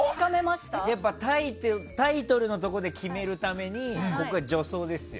タイトルのところで決めるためにここは助走ですよ。